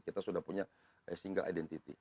kita sudah punya single identity